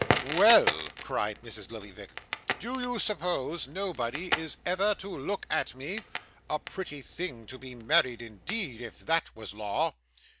'Well!' cried Mrs. Lillyvick. 'Do you suppose nobody is ever to look at me? A pretty thing to be married indeed, if that was law!